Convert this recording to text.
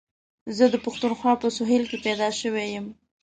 زه د پښتونخوا په سهېل کي پيدا شوی یم.